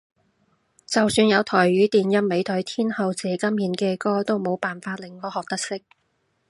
就算有台語電音美腿天后謝金燕嘅歌都冇辦法令我學得識